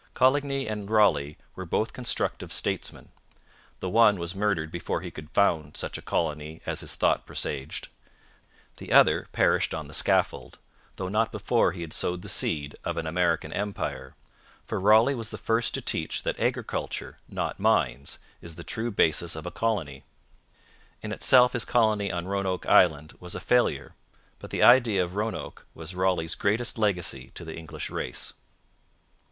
Coligny and Raleigh were both constructive statesmen. The one was murdered before he could found such a colony as his thought presaged: the other perished on the scaffold, though not before he had sowed the seed of an American empire. For Raleigh was the first to teach that agriculture, not mines, is the true basis of a colony. In itself his colony on Roanoke Island was a failure, but the idea of Roanoke was Raleigh's greatest legacy to the English race.